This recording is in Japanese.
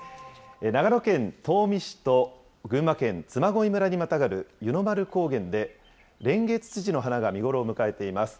長野県東御市と群馬県嬬恋村にまたがる湯の丸高原で、レンゲツツジの花が見頃を迎えています。